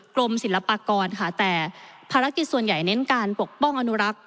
กรมศิลปากรค่ะแต่ภารกิจส่วนใหญ่เน้นการปกป้องอนุรักษ